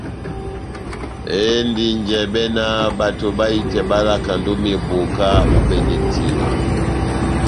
Endi njɛbɛ ná bato bahitɛ bá lakand'ó meboka u'bɛne tina.